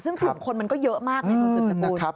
ซึ่งถูกคนมันก็เยอะมากในคนสุขสกุล